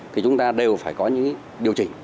thì chúng ta đều phải có những điều chỉnh